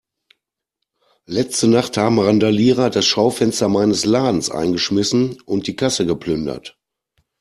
Letzte Nacht haben Randalierer das Schaufenster meines Ladens eingeschmissen und die Kasse geplündert.